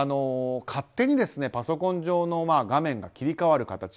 勝手にパソコン上の画面が切り替わる形。